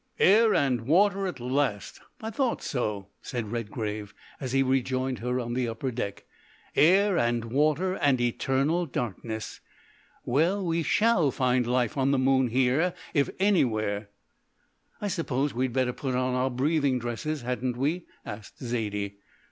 "Air and water at last! I thought so," said Redgrave, as he rejoined her on the upper deck; "air and water and eternal darkness! Well, we shall find life on the moon here if anywhere." "I suppose we had better put on our breathing dresses, hadn't we?" asked Zaidie.